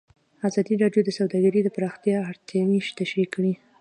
ازادي راډیو د سوداګري د پراختیا اړتیاوې تشریح کړي.